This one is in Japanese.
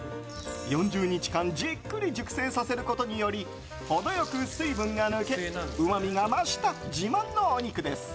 ４０日間じっくり熟成させることにより程良く水分が抜けうまみが増した自慢のお肉です。